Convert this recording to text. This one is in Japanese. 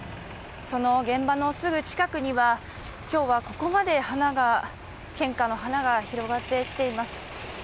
その現場のすぐ近くには今日はここまで献花の花が広がってきています。